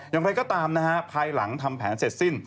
อย่างไรก็ตามนะฮะภายหลังทำแผนเสร็จสิ้น